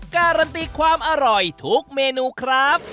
การันตีความอร่อยทุกเมนูครับ